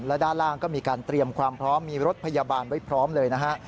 และด้านล่างก็มีการเตรียมความพร้อมมีรถพยาบาลไว้พร้อมเลยนะฮะ